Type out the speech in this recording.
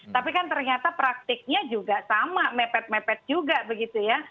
tapi kan ternyata praktiknya juga sama mepet mepet juga begitu ya